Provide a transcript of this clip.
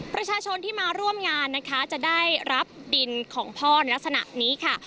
ประชาชนที่มาร่วมงานนะคะจะได้รับดินของพ่อในลักษณะนี้ค่ะ